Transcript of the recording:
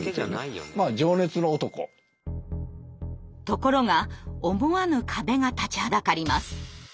ところが思わぬ壁が立ちはだかります。